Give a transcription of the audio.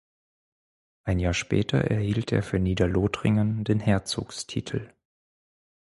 Ein Jahr später erhielt er für Niederlothringen den Herzogstitel.